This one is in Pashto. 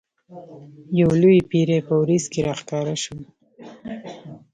یو لوی پیری په وریځ کې را ښکاره شو.